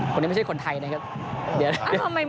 คนนี้ไม่ใช่คนไทยนะครับ